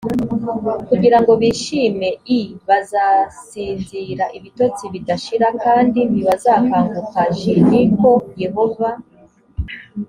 kugira ngo bishime i bazasinzira ibitotsi bidashira kandi ntibazakanguka j ni ko yehova